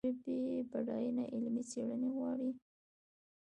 د ژبې بډاینه علمي څېړنې غواړي.